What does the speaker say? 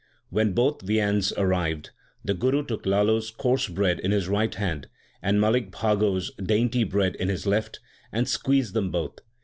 When both viands arrived, the Guru took Lalo s coarse bread in his right hand and Malik Bhago s dainty bread in his left, and squeezed them both.